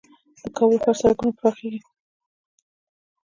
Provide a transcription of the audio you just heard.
د کابل ښار سړکونه پراخیږي؟